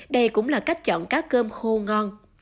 đây cũng là cách chọn cá cơm khô ngon